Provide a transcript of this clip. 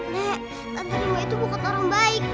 nek tante rumah itu bukan orang baik